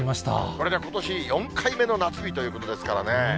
これでことし４回目の夏日ということですからね。